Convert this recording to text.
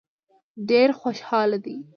ډېر خوشاله دي.